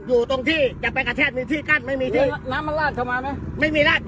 อยู่ตรงที่จะไปกระแทกมีที่กั้นไม่มีที่น้ำมันลาดเข้ามาไหมไม่มีราด